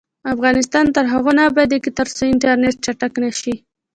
افغانستان تر هغو نه ابادیږي، ترڅو انټرنیټ چټک نشي.